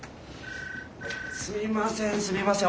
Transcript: すみませんすみません。